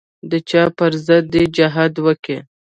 د چا پر ضد دې جهاد وکي.